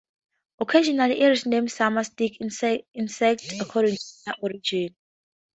Occasionally it is named Samar stick insect according to their origin.